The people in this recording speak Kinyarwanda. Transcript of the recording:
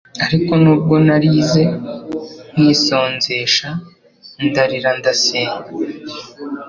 Ariko nubwo narize nkisonzesha, ndarira ndasenga,